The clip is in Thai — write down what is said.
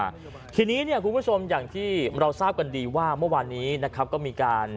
ครับทีนี้เนี่ยคุณผู้ชมอย่างที่เราทราบกันดีว่าเมื่อวานนี้นะครับก็มีการ